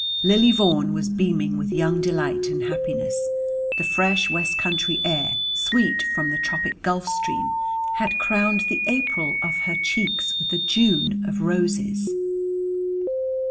Lily Vaughan was beaming with young delight and happiness: the fresh west country air, sweet from the tropic gulf stream, had crowned the April of her cheeks with a June of roses.